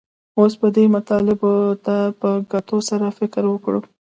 اوس به دې مطالبو ته په کتو سره فکر وکړو